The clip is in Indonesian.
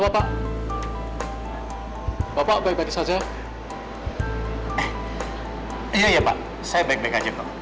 iya pak saya baik baik aja kok